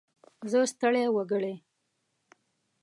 زه ستړی وګړی.